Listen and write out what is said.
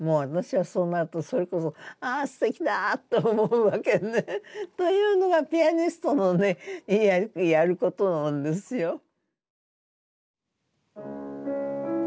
私はそうなるとそれこそあすてきだと思うわけね。というのがピアニストのねやることなんですよ。